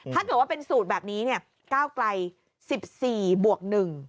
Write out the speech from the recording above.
ถ้าเกิดว่าเป็นสูตรแบบนี้เนี่ยเก้ากลาย๑๔บวก๑